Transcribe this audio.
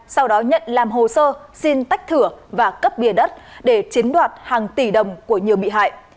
sau đó nhận làm hồ sơ xin tách thửa và cấp bia đất để chiến đoạt hàng tỷ đồng của nhiều bị hại